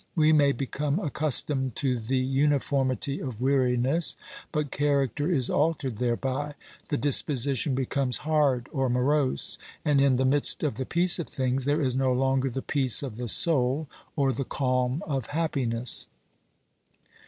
We may become accustomed to the uniformity of weariness, but character is altered thereby ; the disposition becomes hard or morose, and in the midst of the peace of things there is no longer the peace of the soul or the calm of happiness.